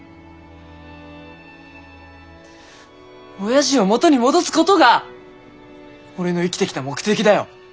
おやじを元に戻すごどが俺の生きてきた目的だよ。